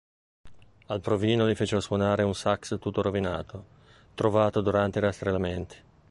Al provino gli fecero suonare un sax tutto rovinato, trovato durante i rastrellamenti.